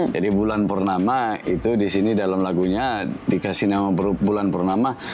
jadi bulan purnama itu disini dalam lagunya dikasih nama bulan purnama